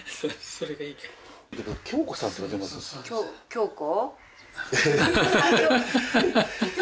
京子？